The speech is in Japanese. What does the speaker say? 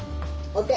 お手。